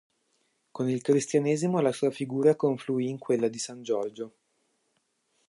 Con il Cristianesimo la sua figura confluì in quella di San Giorgio.